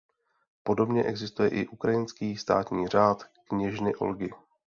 Podobně existuje i ukrajinský státní Řád kněžny Olgy.